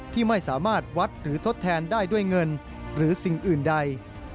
ที่ไม่สามารถวัดหรือทดแทนได้ด้วยเงินหรือสิ่งอื่นใด